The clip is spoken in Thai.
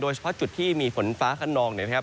เฉพาะจุดที่มีฝนฟ้าขนองเนี่ยนะครับ